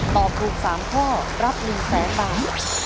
ตอบถูก๓ข้อรับ๑๐๐๐๐บาท